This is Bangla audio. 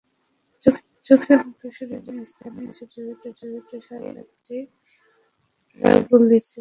চোখে, মুখে, শরীরের বিভিন্ন স্থানে ছোট ছোট সাত-আটটি ছররা গুলির চিহ্ন।